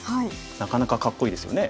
なかなかかっこいいですよね。